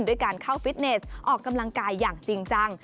ด้วยการเข้าฟิตเนสออกกำลังกายอย่างจริงจัง